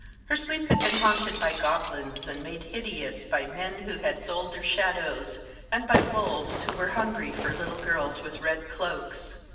Her sleep had been haunted by goblins, and made hideous by men who had sold their shadows, and by wolves who were hungry for little girls in red cloaks.